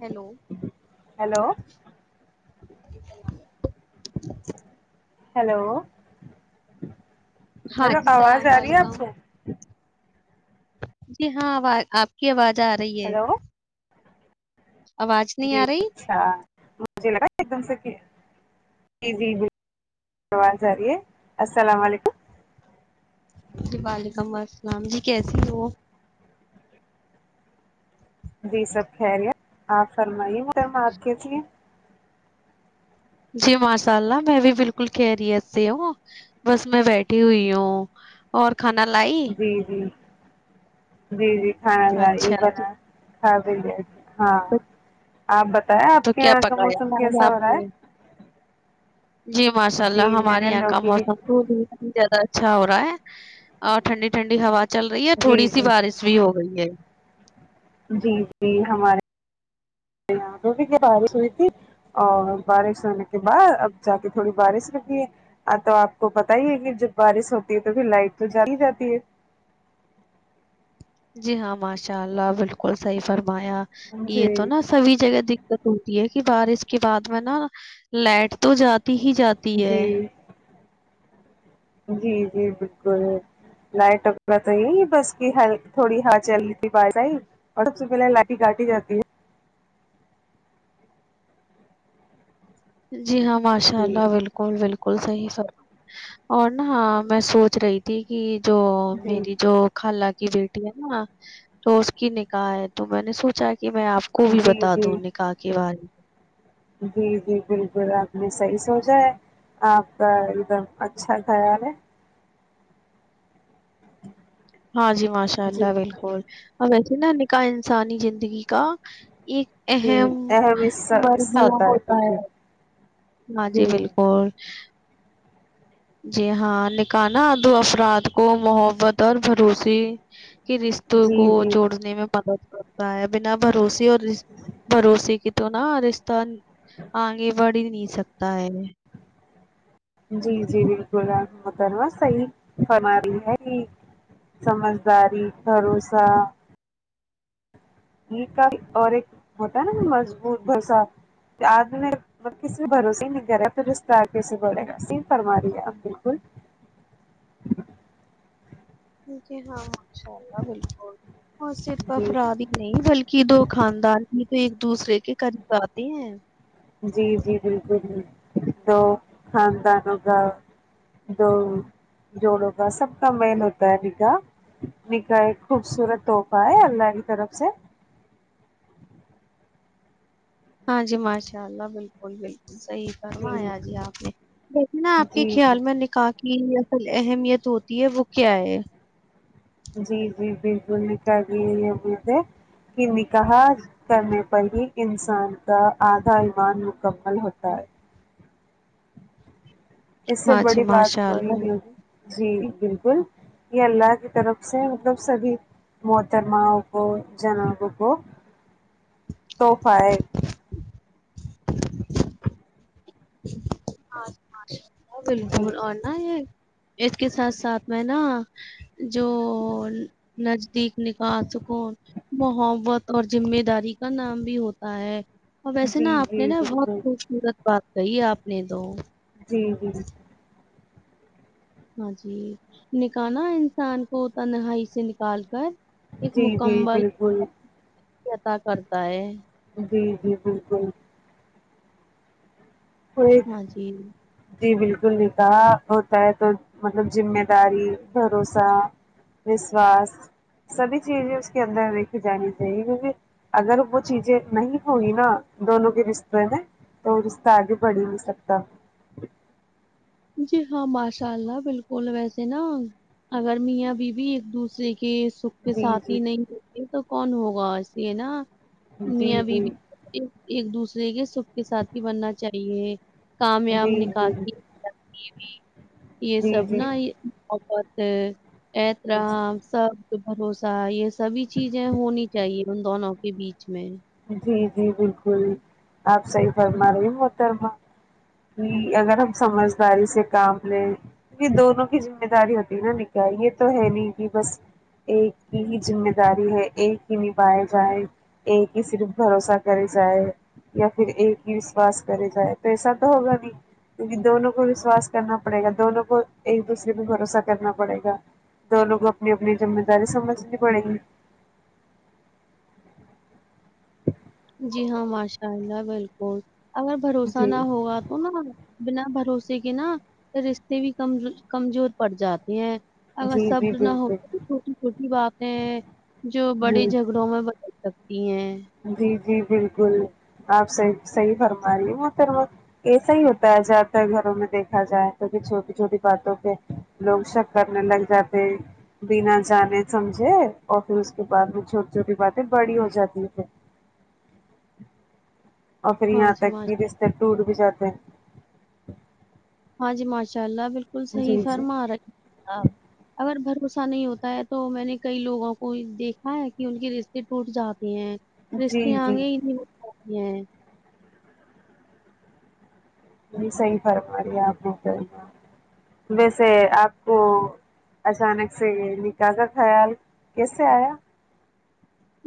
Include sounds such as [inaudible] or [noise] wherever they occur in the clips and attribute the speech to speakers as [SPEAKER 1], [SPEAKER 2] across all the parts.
[SPEAKER 1] hello
[SPEAKER 2] hello
[SPEAKER 1] [unintelligible]
[SPEAKER 2] hello
[SPEAKER 1] ہاں
[SPEAKER 2] hello
[SPEAKER 1] جی
[SPEAKER 2] آواز
[SPEAKER 1] السلام
[SPEAKER 2] آ رہی ہے آپ
[SPEAKER 1] علیکم
[SPEAKER 2] کو
[SPEAKER 1] جی ہاں آواز آپ کی آواز آ رہی ہے
[SPEAKER 2] ہیلو
[SPEAKER 1] آواز نہیں
[SPEAKER 2] جی
[SPEAKER 1] آ رہی
[SPEAKER 2] اچھا مجے لگا ایک دم سے کیا جی جی بالکل آواز آ رہی ہے السلام علیکم
[SPEAKER 1] جی وعلیکم السلام جی کیسی ہو
[SPEAKER 2] جی سب خیریت آپ فرمائیے محترمہ آپ کیسیے
[SPEAKER 1] جی ماشا اللہ میں بھی بالکل خیریت سے ہوں بس میں بیٹھی ہوئی ہوں اور کھانا لائی
[SPEAKER 2] جی جی جی جی کھانا لائی
[SPEAKER 1] اچھا
[SPEAKER 2] بنایا کھا بھی لیا ہاں آپ بتایا
[SPEAKER 1] تو
[SPEAKER 2] آپ کے
[SPEAKER 1] کیا
[SPEAKER 2] یہاں کا
[SPEAKER 1] پکایا
[SPEAKER 2] موسم
[SPEAKER 1] تھا آج
[SPEAKER 2] کیسا ہو
[SPEAKER 1] آپ
[SPEAKER 2] رہا ہے
[SPEAKER 1] نے جی ماشا
[SPEAKER 2] جی
[SPEAKER 1] اللہ
[SPEAKER 2] میں
[SPEAKER 1] ہمارے
[SPEAKER 2] نے
[SPEAKER 1] یہاں کا
[SPEAKER 2] لوکی کی
[SPEAKER 1] موسم بھی زیادہ اچھا ہو رہا ہے اور ٹھنڈی ٹھنڈی ہوا چل رہی ہے
[SPEAKER 2] جی
[SPEAKER 1] تھوڑی سی
[SPEAKER 2] جی
[SPEAKER 1] بارش [unintelligible]
[SPEAKER 2] جی جی ہمارے بارش ہوی تھی اور بارش ہونے کے بعد اب جا کے تھوڑی بارش رکی ہے ہاں تو آپ کو پتا ہی ہے کہ جب بارش ہوتی ہے تو پھر لائٹ تو جاتی ہی جاتی ہے
[SPEAKER 1] جی ہاں ماشا اللہ بالکل صحیح فرمایا یہ تو
[SPEAKER 2] جی
[SPEAKER 1] نا تب ھی زیادہ دقت ہوتی ہے کہ بارش کے بعد میں نا لائٹ تو جاتی ہی جاتی ہے
[SPEAKER 2] جی جی جی بالکل لائٹ وغیرہ تو نہی تھوڑی ہاں [unintelligible] [unintelligible]
[SPEAKER 1] جی ہاں
[SPEAKER 2] ہے
[SPEAKER 1] ماشا
[SPEAKER 2] جی
[SPEAKER 1] اللہ بالکل بالکل صحیح سنا اور نا ہاں میں سوچ رہی تھی کہ جو و
[SPEAKER 2] جی
[SPEAKER 1] میری جو و قالا کی بیٹی ہے نا تو اس کی نکاح ہے تو میں نے سوچا کہ میں آپ کو بھی
[SPEAKER 2] جی
[SPEAKER 1] بتا
[SPEAKER 2] جی
[SPEAKER 1] دوں نکاح کے بارے میں
[SPEAKER 2] جی جی بالکل آپ نے صحیح سوچا ہے آپ کا ایک دم اچھا خیال ہے
[SPEAKER 1] ہاں جی ماشاء اللہ
[SPEAKER 2] جی
[SPEAKER 1] بالکل اور وسے نا نکاح انسانی زندگی کا ایک
[SPEAKER 2] جی
[SPEAKER 1] اہم
[SPEAKER 2] اہم حصہ حصہ
[SPEAKER 1] مرحلہ ہوتا ہے
[SPEAKER 2] بالکل
[SPEAKER 1] ہاں جی بالکل جی ہاں نکاح نہ دو افراد کو محبت اور بھروسے کی رشتوں کو
[SPEAKER 2] جی جی
[SPEAKER 1] جوڑنے میں مدد کرتا ہے بنا بھروسے اور رش بھروسے کی تو نا رشتہ اں آگے بڑھ ہی نہیں سکتا ہے
[SPEAKER 2] جی جی بالکل آپ محترمہ صحیح فرمارہی ہے یہی سمجھداری بھروسہ نکاح اور ایک ہوتا ہے نا مضبوط بھروسہ پیار میں کسی سے بھروسے نہیں کر رہا تو پھر رشتہ کیسے بڑھے گاصحیح فرما رہی ہے اب بالکل
[SPEAKER 1] جی ہاں ماشاء اللہ بالکل اور صرف
[SPEAKER 2] جی
[SPEAKER 1] افراد ہی نہیں بلکہ دو خاندان ہھی تو ایک دوسرے کے قریب اتے ہیں
[SPEAKER 2] جی جی بالکل دو خاندانوں کا دو جوڑوں کا سب کا میل ہوتا ہے نکاح نکاح ایک خوبصورت تحفہ ہے اللہ کی طرف سے
[SPEAKER 1] ہاں جی ماشاء اللہ بالکل بالکل صحیح فرمایا جی آپ نے جیسے نا آپ کے
[SPEAKER 2] جی جی
[SPEAKER 1] خیال میں نکاح کی اصل اہمیت ہوتی ہے وہ کیا ہے
[SPEAKER 2] جی جی بالکل نکال دیے یہ بھے کہ نکا کرنے پر ہی انسان کا آدھا ایمان مکمل ہوتا ہے اس سے
[SPEAKER 1] ہاں جی
[SPEAKER 2] بڑی بات
[SPEAKER 1] ماشاء اللہ
[SPEAKER 2] وہی جی بالکل یہ اللہ کی طرف سے مطلب سبھی محترماوں کو جنابوں کو توحفہ ہے
[SPEAKER 1] ہ بالکل
[SPEAKER 2] جی
[SPEAKER 1] اور ن یہ اس کے ساتھ ساتھ میں نا جو نزدیک نکا سکوں محبت اور ذمہ داری کا نام بھی ہوتا ہے اور ویسے
[SPEAKER 2] جی
[SPEAKER 1] نا آپ نے
[SPEAKER 2] جی
[SPEAKER 1] نا بہت
[SPEAKER 2] بالکل
[SPEAKER 1] خوبصورت بات کہی آپ نے تو
[SPEAKER 2] جی جی
[SPEAKER 1] ہاں جی نکاح نہ انسان کو تنہائی سے نکال کر ایک
[SPEAKER 2] جی جی
[SPEAKER 1] مکمل
[SPEAKER 2] بالکل
[SPEAKER 1] [unintelligible] عطا کرتا ہے
[SPEAKER 2] جی جی بالکل کوئی
[SPEAKER 1] ہاں جی
[SPEAKER 2] جی بالکل نکاح ہوتا ہے تو مطلب ذمہ داری بھروسہ وشواس سبھی چیزیں اس کے اندر دیکھی جانی چاہیے کیونکی اگر وہ چیزیں نہیں ہوگی نا دونوں کے رشتےے میں تو آگے بڑھی نہیں سکتا
[SPEAKER 1] جی ہاں ماشاء اللہ بالکل ویسے نا اگر میاں بیوی ایک دوسرے کے کے
[SPEAKER 2] جی
[SPEAKER 1] ساتھ
[SPEAKER 2] جی
[SPEAKER 1] ہی نہیں یہ تو کون ہوگا ای سے ہے نا
[SPEAKER 2] جی
[SPEAKER 1] میاں بیی
[SPEAKER 2] جی
[SPEAKER 1] ایک ایک دوسرے کے سکھ کے ساتھ ہی بننا چاہیے کامیاب
[SPEAKER 2] جی
[SPEAKER 1] نکال
[SPEAKER 2] جی
[SPEAKER 1] کے یے سب
[SPEAKER 2] جی
[SPEAKER 1] نا بہت
[SPEAKER 2] جی
[SPEAKER 1] احترام سب بھروسہ یے سبھی چیزیں ہونی چاہیے ان دونوں کے بیچ میں
[SPEAKER 2] جی جی بالکل آپ صحیح فرما رہی ہو محترمہ جی اگر ہم سمجھداری سے کام لیں کیونکہ دونوں کی ذمہ داری ہوتی ہے نا نکا یے تو ہے نہیں کی بس ایک ہی ذمہ داری ہے ایک ہی نبھائے جائے ایک کی صرف بھروسہ کرے جائے یا پھر ایک ہی وشوس کرے جائے تو ایسا تو ہوگا نہیں کیونکی دونوں کو وشواس کرنا پڑے گا دونوں کو ایک دوسرے پے بھروسہ کرنا پڑے گا دو لوگ اپنی اپنی ذمہ داری سمجھنی پڑے گی
[SPEAKER 1] جی ہاں ماشاء اللہ بالکل اگر بھروسہ
[SPEAKER 2] جی
[SPEAKER 1] نہ ہوگا تو نا بنا بھروسے کے نا رشتے بھی کم کمزور پڑ جاتے ہیں اگر
[SPEAKER 2] جی جی
[SPEAKER 1] سبر نہ
[SPEAKER 2] بالکل
[SPEAKER 1] ہوتا تو چھوٹی چھوٹی باتیں جو بڑے
[SPEAKER 2] جی
[SPEAKER 1] جھگ بڑوں میں بدل سکتی ہیں
[SPEAKER 2] جی جی بالکل آپ صحیح صحیح فرما رہی ہے مہترمہ ایسا ہی ہوتا ہے زیادہ تر گھروں میں دیکھا جائے تو چھوٹی چھوٹی باتوں پے لوگ شک کرنے لگ جاتے بنا جانے سمجھے اور پھر اس کے بعد میں چھوٹی چھوٹی باتیں بڑی ہو جاتی ہے اور پھر
[SPEAKER 1] ہاں
[SPEAKER 2] یہاں
[SPEAKER 1] جی
[SPEAKER 2] تک
[SPEAKER 1] ماش
[SPEAKER 2] بھی رشتے ٹوٹ بھی جاتے ہیں
[SPEAKER 1] ہاں جی ماشاء اللہ بالکل صحیح
[SPEAKER 2] جی جی
[SPEAKER 1] فرمارہی ہے آپ اگر بھروسہ نہیں ہوتا ہے تو میں نے کئی لوگوں کو دیکھا ہے کی ان کے رشتے ٹوٹ جاتے ہیں
[SPEAKER 2] جی
[SPEAKER 1] رشتے
[SPEAKER 2] جی
[SPEAKER 1] آگے ہی نہیں بڑ پاتے ہیں
[SPEAKER 2] صحیح فرم رہی ہے آپ محترمہ ویسے آپ کو اچانک سے نکاح کا خیال کیسے آیا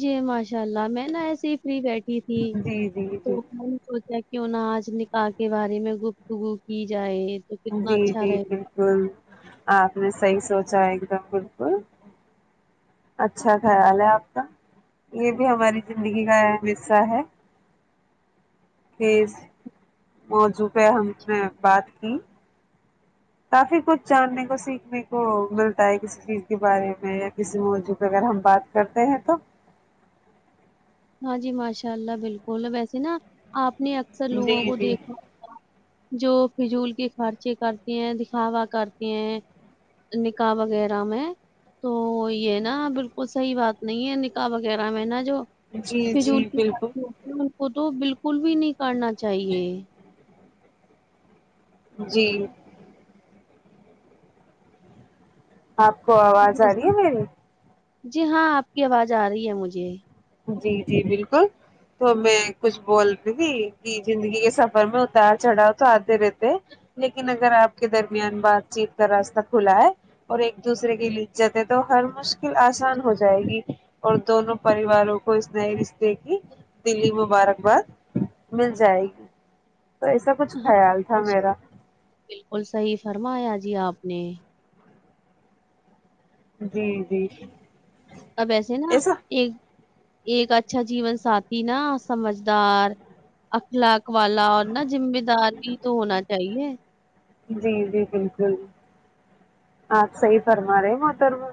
[SPEAKER 1] جی ماشاء اللہ میں نا ایسے ہی فری بیٹھی تھی
[SPEAKER 2] جی جی جی
[SPEAKER 1] تو سوچا کیوں نا آج نکاح کے بارے میں گفتگو کی جائے تو کتنا
[SPEAKER 2] جی
[SPEAKER 1] اچھا
[SPEAKER 2] جی
[SPEAKER 1] رہے گا
[SPEAKER 2] بالکل آپ نے صحیح سوچا ایک دم بالکل اچھا خیال ہے آپ کا یے بھی ہماری زندگی کا اہم حصہ ہے کس موضوع پے ہم نے بات کی کافی کچھ جاننے کو سیکھنے کو ملتا ہے کسی چیز کے بارے میں یا کسی موضوع پے اگر ہم بات کرتے ہیں تو
[SPEAKER 1] ہاں جی ماشاء اللہ بالکل ویسے نا آپ نے اکثر
[SPEAKER 2] جی
[SPEAKER 1] لوگوں کو
[SPEAKER 2] جی
[SPEAKER 1] دیکھا جو فضول کے خرچے کرتی ہیں دکھاوا کرتی ہیں نکاح وغیرہ میں تو یے نا بالکل صحیح بات نہیں ہے نکاح وغیرہ میں نا جو
[SPEAKER 2] جی
[SPEAKER 1] فضول
[SPEAKER 2] جی
[SPEAKER 1] کے خزچے
[SPEAKER 2] بالکل
[SPEAKER 1] ہوتے ان کو تو بالکل بھی نہیں کرنا چاہیے
[SPEAKER 2] جی آپ کو
[SPEAKER 1] اور
[SPEAKER 2] آواز آ رہی ہے
[SPEAKER 1] ویسے
[SPEAKER 2] میری
[SPEAKER 1] جی ہاں آپ کی آواز آ رہی ہے مجھے
[SPEAKER 2] جی جی بالکل تو میں کچھ بولتی تھی کہ زندگی کے سفر میں اتار چڑھاؤ تو آتے رہتے ہے لیکن اگر آپ کے درمیان بات چیت کا راستہ کھلا ہے اور ایک دوسرے کی لیے عزت تو ہر مشکل آسان ہو جائے گی اور دونوں پریوار مبارک ہو اس نئے رشتے کی دلی مبارکباد مل جائے گی تو ایسا کچھ خیال تھا
[SPEAKER 1] ہاں
[SPEAKER 2] میرا
[SPEAKER 1] بالکل صحیح فرمایا جی آپ نے
[SPEAKER 2] جی جی
[SPEAKER 1] اب ایسے نا
[SPEAKER 2] ایسا
[SPEAKER 1] ایک ایک اچھا جیون ساتھی نا سمجھدار اخلاق والا اور نا ذمہ داری بھی تو ہونا چاہیے
[SPEAKER 2] جی جی بالکل آپ صحی فرما رہے محترمہ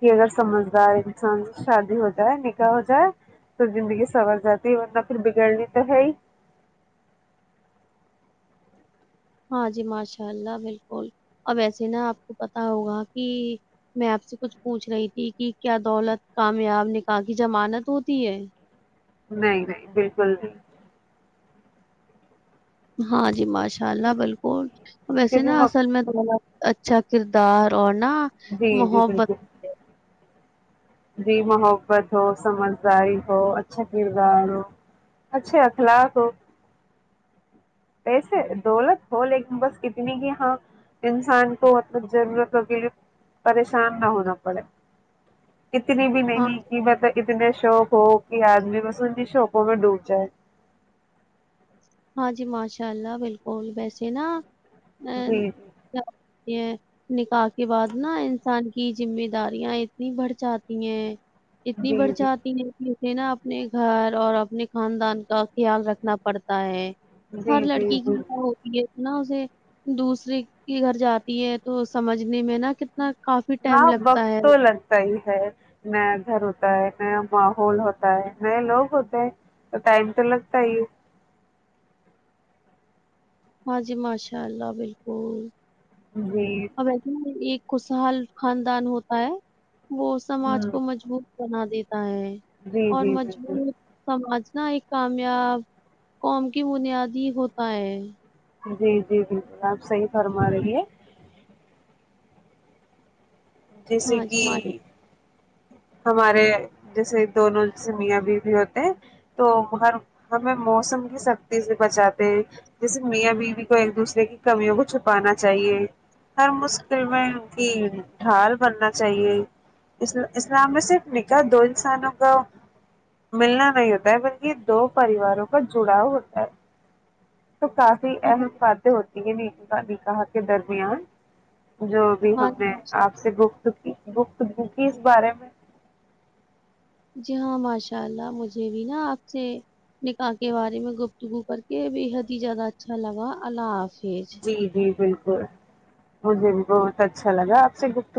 [SPEAKER 2] کہ اگر سمجدار انسان شادی ہو جائے نکاح ہو جائے تو زندگی سنور جاتی ہے ورنہ پھر بگڑنی تو ہے ہی
[SPEAKER 1] ہاں جی ماشاء اللہ بالکل اب ایسے نا آپ کو پتا ہوگا کہ میں آپ سے کچھ پوچھ رہی تھی کہ کیا دولت کامیاب نکاح کی ضمانت ہوتی ہے
[SPEAKER 2] نہیں نہیں بالکل نہیں
[SPEAKER 1] ہاں جی ماشاء اللہ بالکل ویسے نا
[SPEAKER 2] کیونکہ
[SPEAKER 1] اصل میں تو ب اچھا کردار اورنا
[SPEAKER 2] جی جی بالکل جی محبت ہو سمجھداری ہو اچھا کردار ہو اچھے اخلاق ہو ویسے دولت ہو لیکن بس اتنی کی ہاں انسان کو مطلب ضرورتوں کیلیے پریشان نہ ہونا پڑے اتنی بھی
[SPEAKER 1] ہاں
[SPEAKER 2] نہیں کہ مطلب اتنے شوق ہو کہ آدمی بس انیں شوقوں میں ڈوب جائے
[SPEAKER 1] ہاں جی ماشاء اللہ بالکل ویسے نا ا
[SPEAKER 2] جی
[SPEAKER 1] تو یہ [unintelligible] نکاح کے بعد نا انسان کی ذمےداریاں اتنی بڑھ جاتی ہیں اتنی
[SPEAKER 2] جی
[SPEAKER 1] بڑھ
[SPEAKER 2] جی جی
[SPEAKER 1] چاہتی ہیں جسے نا اپنے گھر اور اپنے خاندان کا خیال رکھنا پڑتا ہے
[SPEAKER 2] جی
[SPEAKER 1] ہر
[SPEAKER 2] جی
[SPEAKER 1] لڑکی کی
[SPEAKER 2] جی
[SPEAKER 1] دعا ہوتی ہے نا اسے دوسرے کے گھر جاتی ہے تو سمجھنے میں نا کتنا کافی ٹائم لگتا ہے
[SPEAKER 2] صحیح ہے نیا گھر ہوتا ہے نیا ماحول ہوتا ہے نئے لوگ ہوتے ہیں تو ٹائم تو لگتا ہی ہیں
[SPEAKER 1] ہاں جی ماشاء اللہ بلکل
[SPEAKER 2] جی
[SPEAKER 1] وسے ایک خوشحال خاندان ہوتا ہے وہ سماج
[SPEAKER 2] ہ
[SPEAKER 1] کو مجبوط بنا دیتا ہے
[SPEAKER 2] جی
[SPEAKER 1] اور
[SPEAKER 2] جی بالکل
[SPEAKER 1] مضبوط سماج نہ ایک کامیاب قوم کی بنیاد ہی ہوتا ہے
[SPEAKER 2] جی جی بلکل آپ صحیح فرما رہی ہیں جیسے
[SPEAKER 1] ہاں جی
[SPEAKER 2] کی
[SPEAKER 1] ما-
[SPEAKER 2] ہمارے جیسے دونوں جیسے میاں بیوی ہوتے ہیں تو ہر ہمیں موسم کی سختی سے بچاتے ہیں جیسے میاں بیوی کو ایک دوسرے کی کمیوں کو چھپانا چاہیے ہر مشکل میں ان کی ڈھال بننا چاہیے اس اسلام میں صرف نکاح دو انسانوں کا ملنا نہیں ہوتا ہے بلکہ دو پریواروں کا جڑاؤ ہوتا ہے تو کافی
[SPEAKER 1] ہاں
[SPEAKER 2] اہم
[SPEAKER 1] جی
[SPEAKER 2] باتیں ہوتی ہیں نک نکا نکاح کے درمیان جو
[SPEAKER 1] ہاں
[SPEAKER 2] ہم
[SPEAKER 1] جی
[SPEAKER 2] نے
[SPEAKER 1] ماشاء
[SPEAKER 2] آپ سے گفتگی گفتگو کی اس بارے میں
[SPEAKER 1] جی ہاں ماشاء اللہ مجھے بھی نا آپ سے نکاح کے بارے میں گفتگو کر کے بےحد ہی زیادہ اچھا لگا اللہ حافظ
[SPEAKER 2] جی جی بالکل مجھے بھی بہت اچھا لگا آپ سے گفتگو